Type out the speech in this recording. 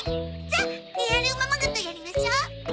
さあリアルおままごとやりましょ。